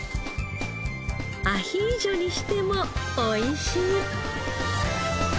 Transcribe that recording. アヒージョにしても美味しい。